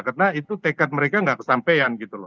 karena itu tekad mereka gak kesampean gitu loh